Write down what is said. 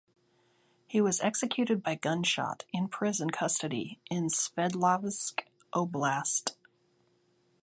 He was executed by gunshot in prison custody in Sverdlovsk Oblast.